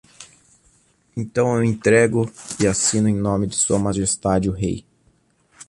Então eu entrego e assino em nome de Sua Majestade o Rei.